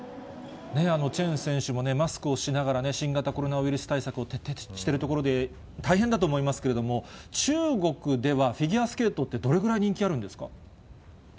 チェン選手もマスクをしながら、新型コロナウイルス対策徹底しているところで、大変だと思いますけれども、中国ではフィギュアスケートってどれぐらい人気あるんですか。